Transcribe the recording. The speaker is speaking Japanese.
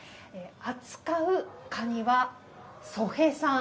扱うカニはソヘ産。